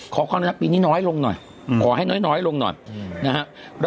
ขอความรักปีนี้น้อยลงหน่อยขอให้น้อยลงหน่อยนะครับ